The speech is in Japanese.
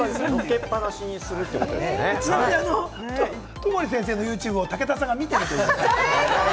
友利先生のＹｏｕＴｕｂｅを武田さんが見ているという。